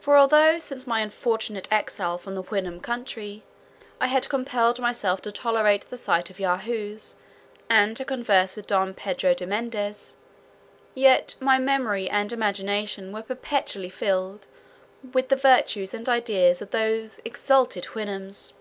For although, since my unfortunate exile from the Houyhnhnm country, I had compelled myself to tolerate the sight of Yahoos, and to converse with Don Pedro de Mendez, yet my memory and imagination were perpetually filled with the virtues and ideas of those exalted Houyhnhnms.